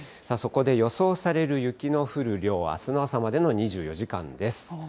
そこで予想される雪の降る量、あすの朝までの２４時間です。